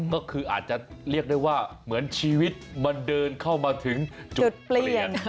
ก็คืออาจจะเรียกได้ว่าเหมือนชีวิตมันเดินเข้ามาถึงจุดเปลี่ยน